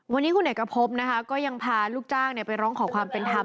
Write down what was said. วันนี้คุณเอกพบนะคะก็ยังพาลูกจ้างไปร้องขอความเป็นธรรม